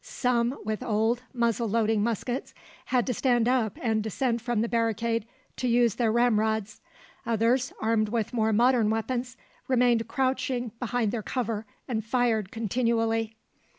Some, with old, muzzle loading muskets, had to stand up and descend from the barricade to use their ramrods; others, armed with more modern weapons, remained crouching behind their cover and fired continually.